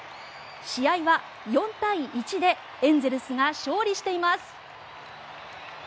試合は４対１でエンゼルスが勝利しています。